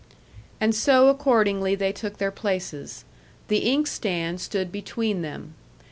And so, accordingly, they took their places. The inkstand stood between them.